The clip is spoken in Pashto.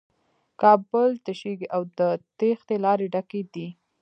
کابل تشېږي او د تېښې لارې ډکې دي.